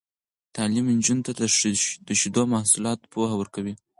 تعلیم نجونو ته د شیدو محصولاتو پوهه ورکوي.